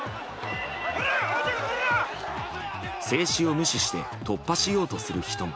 制止を無視して突破しようとする人も。